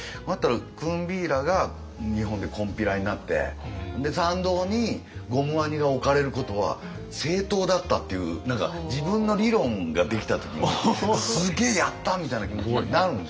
クンビーラが日本で金毘羅になってで参道にゴムワニが置かれることは正当だったっていう何か自分の理論ができた時に「すげえやった！」みたいな気持ちになるんですよ。